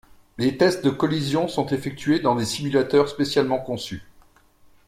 Les tests de collision sont effectués dans des simulateurs spécialement conçus.